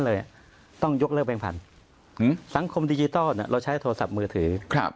๕๐๐๐ล้านเนี่ยเหรอ